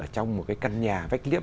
trong một căn nhà vách liếp